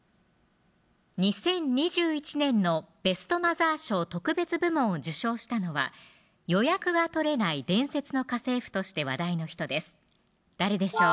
２０２１年のベストマザー賞特別部門を受賞したのは「予約がとれない伝説の家政婦」として話題の人です誰でしょう